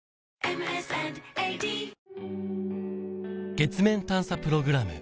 月面探査プログラム